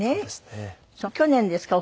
去年ですか？